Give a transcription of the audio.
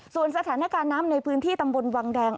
ส่วนสถานการณ์น้ำในพื้นที่ตำบลวังแดง